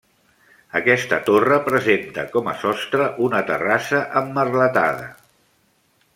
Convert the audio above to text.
Aquesta torre presenta com a sostre una terrassa emmerletada.